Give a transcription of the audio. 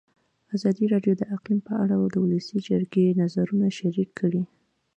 ازادي راډیو د اقلیم په اړه د ولسي جرګې نظرونه شریک کړي.